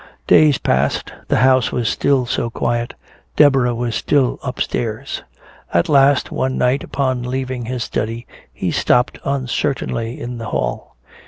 Days passed. The house was still so quiet, Deborah was still upstairs. At last, one night upon leaving his study, he stopped uncertainly in the hall.